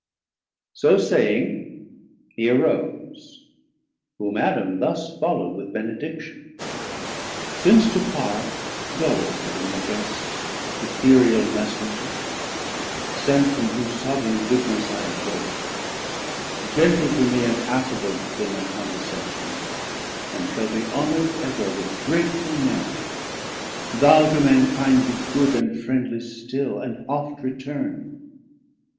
So saying, he arose; whom Adam thus Follow'd with benediction. Since to part, Go heavenly Guest, Ethereal Messenger, Sent from whose sovran goodness I adore. Gentle to me and affable hath been Thy condescension, and shall be honour'd ever With grateful Memorie: thou to mankind 650 Be good and friendly still, and oft return.